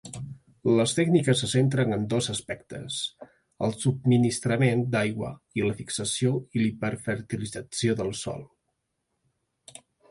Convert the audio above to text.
Les tècniques se centren en dos aspectes: el subministrament d'aigua i la fixació i l'hiperfertilització del sòl.